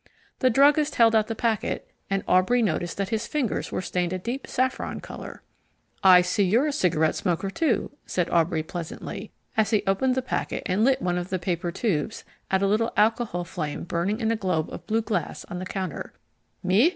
The druggist held out the packet, and Aubrey noticed that his fingers were stained a deep saffron colour. "I see you're a cigarette smoker, too," said Aubrey pleasantly, as he opened the packet and lit one of the paper tubes at a little alcohol flame burning in a globe of blue glass on the counter. "Me?